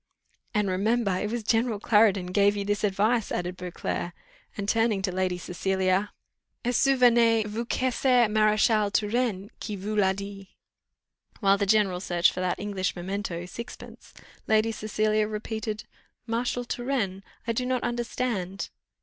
"And remember, it was general Clarendon gave you this advice," added Beauclerc, and turning to Lady Cecilia "'Et souvenez vous que c'est Maréchal Turenne qui vous l'a dit.'" While the general searched for that English memento, six pence, Lady Cecilia repeated, "Marshal Turenne! I do not understand."